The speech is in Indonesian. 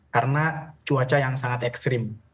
karena cuaca yang sangat ekstrim